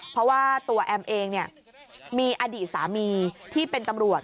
เพราะว่าตัวแอมเองมีอดีตสามีที่เป็นตำรวจ